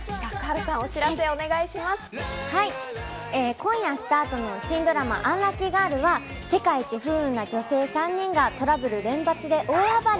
今夜スタートの新ドラマ『アンラッキーガール！』は世界一不運な女性３人がトラブル連発で大暴れ。